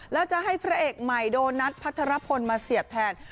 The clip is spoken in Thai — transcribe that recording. แล้วจะให้พระเอกใหม่โดนัทพัทรพลมาเสียบแทน